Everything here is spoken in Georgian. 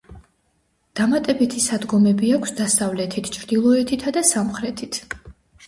დამატებითი სადგომები აქვს დასავლეთით, ჩრდილოეთითა და სამხრეთით.